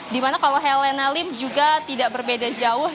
dimana kalau helena lim juga tidak berbeda jauh